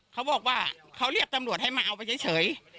เขาบอกว่าเขาเรียกตำรวจให้มาเอาไปเฉย